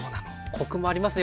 コクもありますね